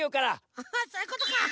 あっそういうことか。